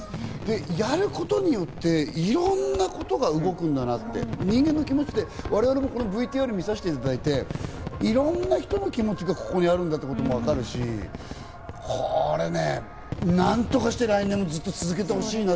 やることによって、いろんなことが動くんだなって、人間の気持ちって我々ＶＴＲを見させていただいて、いろんな人の気持ちがここにあるんだというのがわかるし、これね、何とかして来年もずっと続けてほしいな。